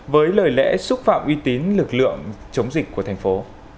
với lời lẽ xúc phạm uy tín lực lượng chống dịch của thành phố